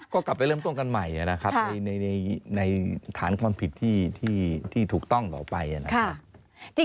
ก็กลับไปเริ่มต้นกันใหม่นะครับในฐานความผิดที่ถูกต้องต่อไปนะครับ